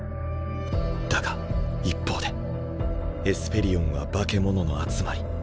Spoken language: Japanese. だが一方でエスペリオンは化け物の集まり。